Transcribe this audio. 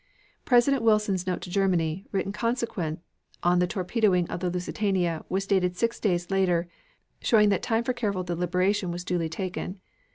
President Wilson's note to Germany, written consequent on the torpedoing of the Lusitania, was dated six days later, showing that time for careful deliberation was duly taken.